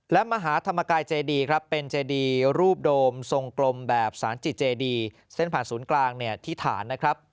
และมหาธรรมกายเจดีครับเป็นเจดีรูปโดมทรงกลมแบบสารจิตเจดีเส้นผ่านศูนย์กลางเนี่ยที่ฐานนะครับ